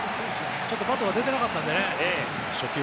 ちょっとバットが出てなかったのでね。